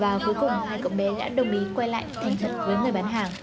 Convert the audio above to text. và cuối cùng hai cậu bé đã đồng ý quay lại thành thật với người bán hàng